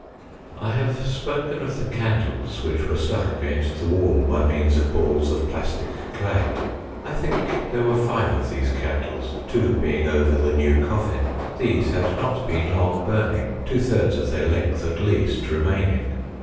I have spoken of the candles which were stuck against the wall by means of balls of plastic clay. I think there were five of these candles, two being over the new coffin. These had not been long burning, two thirds of their length, at least, re maining.